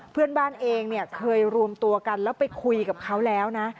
เพื่อนบ้านเองเนี่ยเคยรวมตัวกันแล้วไปคุยกับเขาแล้วนะ